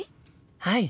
はい！